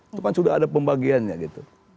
itu kan sudah ada pembagiannya gitu